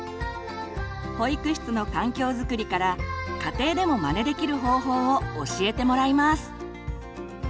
保育室の環境づくりから家庭でもまねできる方法を教えてもらいます。